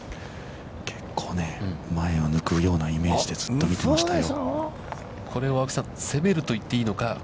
結構前を抜くようなイメージでずっと見ていましたよ。